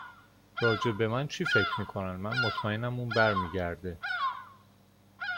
راجع به من چی فکر میکنن من مطمئنم اون برمیگرده